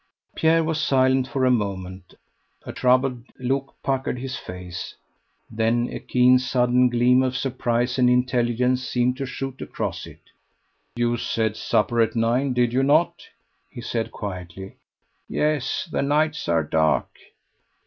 Pierre was silent for a moment; a troubled look puckered his face, then a keen sudden gleam of surprise and intelligence seemed to shoot across it. "You said supper at nine, did you not?" he said quietly. "Yes the nights are dark."